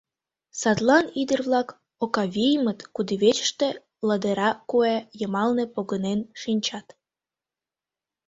Садлан ӱдыр-влак Окавиймыт кудывечыште ладыра куэ йымалне погынен шинчат.